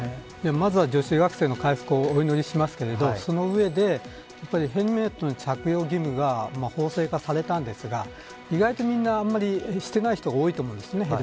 まずは女子学生の回復をお祈りしますがその上でヘルメットの着用義務が法制化されたんですが意外とみんな、あんまりしていない人が多いと思うんです。